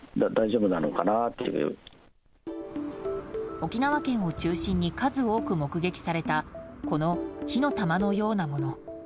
沖縄県を中心に数多く目撃されたこの火の玉のようなもの。